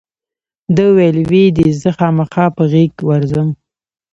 ده وویل وی دې زه خامخا په غېږ ورځم.